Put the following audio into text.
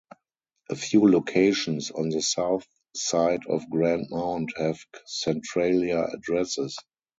A few locations on the south side of Grand Mound have Centralia addresses.